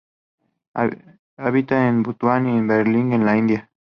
Habita en Bután y Darjeeling en la India.